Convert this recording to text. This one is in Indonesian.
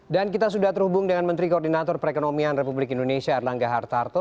dan kita sudah terhubung dengan menteri koordinator perekonomian republik indonesia erlangga hartarto